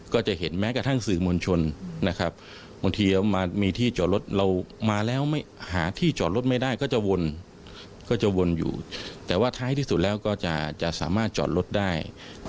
คือเหมือนทางตำรวจถูกทางสอสอที่เป็นประเด็นต่อว่าอะไรอย่างนี้